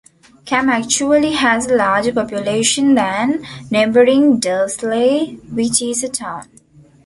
Cam actually has a larger population than neighbouring Dursley, which is a town.